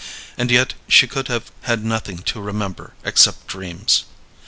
And yet she could have had nothing to remember except dreams.